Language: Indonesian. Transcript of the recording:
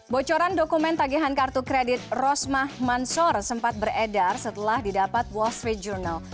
bocoran dokumen tagihan kartu kredit rosmah mansor sempat beredar setelah didapat wall street journal